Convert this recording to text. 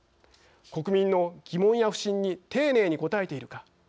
国民の疑問や不信に丁寧に応えているか。